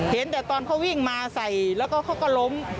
เห็นแต่ตอนเขาวิ่งมาใส่แล้วก็เขาก็ล้ม